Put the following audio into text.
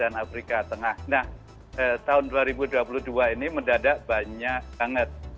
nah tahun dua ribu dua puluh dua ini mendadak banyak banget